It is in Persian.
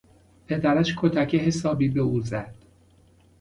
پدرش کتک حسابی به او زد.